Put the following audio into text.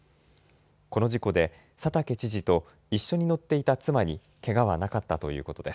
この事故で佐竹知事と一緒に乗っていた妻にけがはなかったということです。